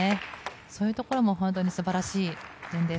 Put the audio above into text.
そういうところも本当に素晴らしいです。